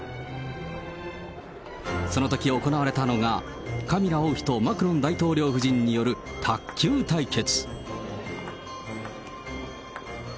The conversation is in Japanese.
そのとき行われたのが、カミラ王妃とマクロン大統領夫人による卓球対決。